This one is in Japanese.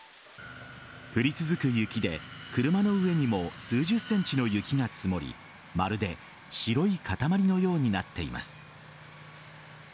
降り続く雪で車の上にも数十ｃｍの雪が積もりまるで白い塊のようになっています。